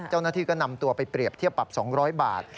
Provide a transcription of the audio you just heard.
เจ้าหน้าที่ก็นำตัวไปเปรียบเทียบปรับ๒๐๐บาท